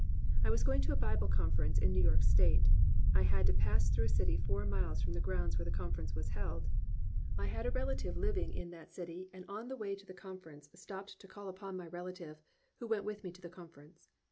I was going to a Bible Conference in New York State. I had to pass through a city four miles from the grounds where the Conference was held. I had a relative living in that city and on the way to the Conference stopped to call upon my relative, who went with me to the Conference.